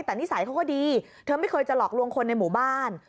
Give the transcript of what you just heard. แต่นิสัยเขาก็ดีเธอไม่เคยจะหลอกลวงคนในหมู่บ้าน